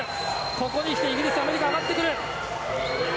ここに来てイギリス、アメリカ上がってくる。